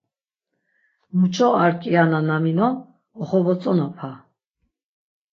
Muç̌o ar kiana na minon oxovotzonapa.